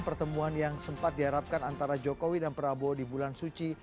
pertemuan yang sempat diharapkan antara jokowi dan prabowo di bulan suci